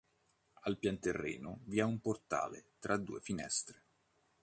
Al pianterreno vi è un portale tra due finestre.